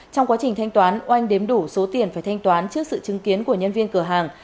trong quá trình thanh toán oanh đếm đủ số tiền phải thanh toán trước sự chứng kiến của nhân viên cửa hàng